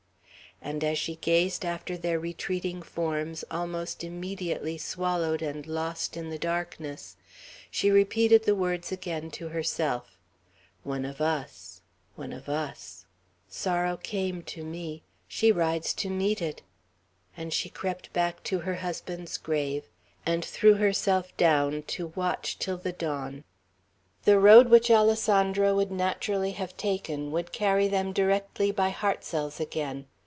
And as she gazed after their retreating forms, almost immediately swallowed and lost in the darkness, she repeated the words again to herself, "One of us! one of us! Sorrow came to me; she rides to meet it!" and she crept back to her husband's grave, and threw herself down, to watch till the dawn. The road which Alessandro would naturally have taken would carry them directly by Hartsel's again.